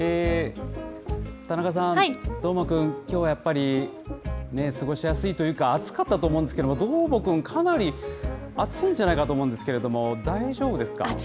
田中さん、どーもくん、きょうはやっぱり、過ごしやすいというか、暑かったと思うんですけれども、どーもくん、かなり暑いんじゃないかと思うんですけど、大丈夫ですか？